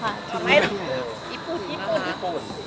คนก็คิดว่าจะมีเซอร์ไพรส์อะไรหรือเปล่า